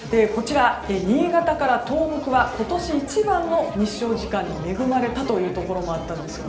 新潟から東北は今年一番の日照時間に恵まれたというところもあったんですよね。